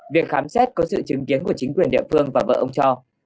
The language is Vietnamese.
việc khám xét có sự chứng kiến của chính quyền địa phương và vợ ông cho